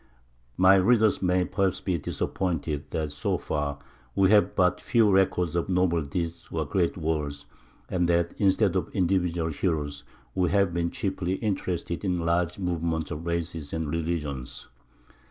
My readers may perhaps be disappointed that so far we have but few records of noble deeds or great wars, and that instead of individual heroes we have been chiefly interested in large movements of races and religions.